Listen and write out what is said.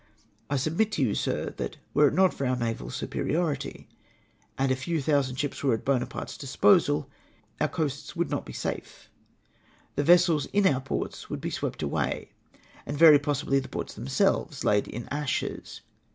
" I submit to you, 8ir, that were it not for our naval su periority, and a few thousand troops >vere at Buonaparte's disposal, our coasts would not be safe — the vessels in our ports Avould be swept away — and very possibly the ports themselves laid in ashes.